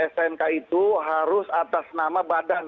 snk itu harus atas nama badan